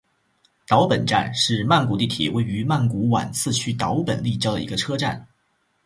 岛本站是曼谷地铁位于曼谷挽赐区岛本立交的一个车站。